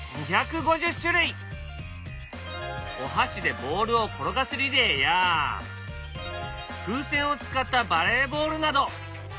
お箸でボールを転がすリレーや風船を使ったバレーボールなど！